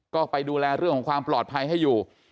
ก็ไปดูแลเรื่องของความปลอดภัยให้อยู่